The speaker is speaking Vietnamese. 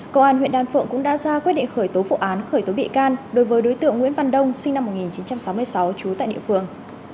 công an huyện đan phượng cũng đã ra quyết định khởi tố vụ án khởi tố bị can đối với đối tượng nguyễn văn đông sinh năm một nghìn chín trăm sáu mươi sáu trú tại địa phương